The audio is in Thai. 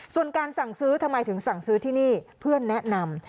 ส่วนการสั่งซื้อทำไมถึงสั่งซื้อที่นี่เพื่อนแนะนำ